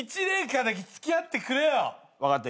分かった。